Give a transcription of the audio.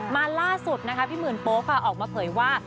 มาล่าสุดนะคะพี่หมื่นโป๊ค่ะออกมาเผยว่า